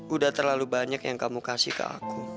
udah terlalu banyak yang kamu kasih ke aku